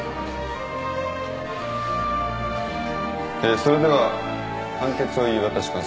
それでは判決を言い渡します。